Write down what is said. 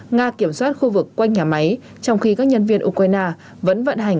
nga kiểm soát khu vực quanh nhà máy trong khi các nhân viên ukraine vẫn vận hành